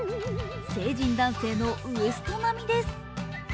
成人男性のウエスト並みです。